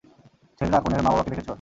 ছেলেরা, কনের মা বাবাকে দেখেছ?